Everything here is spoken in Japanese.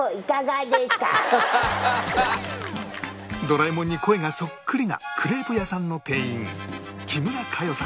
ドラえもんに声がそっくりなクレープ屋さんの店員木村佳代さん